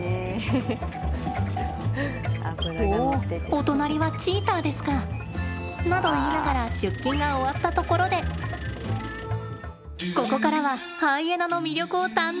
おっ、お隣はチーターですか。など言いながら出勤が終わったところでここからはハイエナの魅力を堪能！